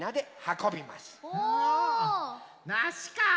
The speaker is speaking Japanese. なしかあ。